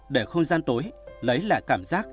để không gian tối lấy lại cảm giác